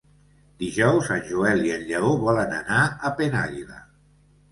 Dijous en Joel i en Lleó volen anar a Penàguila.